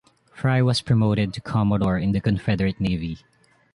Fry was promoted to Commodore in the Confederate Navy.